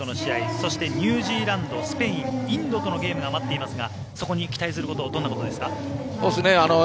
そして、ニュージーランドスペイン、インドとのゲームが待っていますがそこに期待することはどんなことですか？